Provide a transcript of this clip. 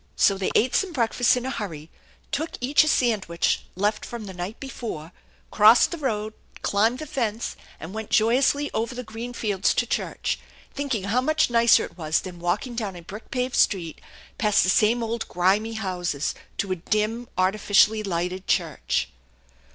So they ate some breakfast in a hurry, took each a sand wich left from the night before, crossed the road, climbed the fence, and went joyously over the green fields to church, thinking how much nicer it was than walking down a brick paved street, past the same old grimy houses to a dim, arti ficially lighted church.